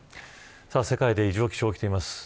世界で異常気象が起きています。